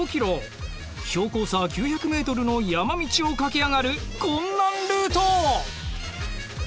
標高差９００メートルの山道を駆け上がる困難ルート！